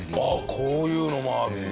こういうのもあるんだ。